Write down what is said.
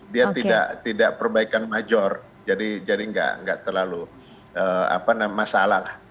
dia tidak perbaikan major jadi nggak terlalu masalah